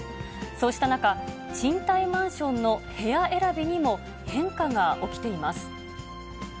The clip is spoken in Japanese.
そうした中、賃貸マンションの部屋選びにも変化が起きています。